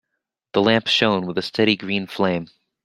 The lamp shone with a steady green flame.